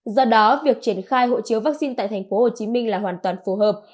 do đó việc triển khai hộ chiếu vaccine tại thành phố hồ chí minh là hoàn toàn phù hợp